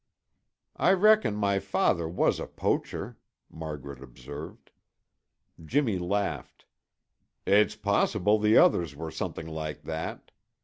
"I reckon my father was a poacher," Margaret observed. Jimmy laughed. "It's possible the others were something like that.